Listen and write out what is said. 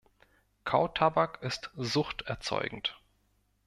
Kautabak ist suchterzeugend.